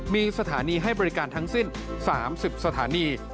มีสถานีให้บริการทั้งสิ้น๓๐สถานี